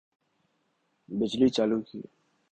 بجلی چالو کی